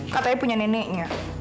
katanya punya neneknya